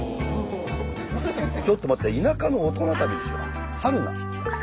ちょっと待って「田舎のオトナ旅」でしょ。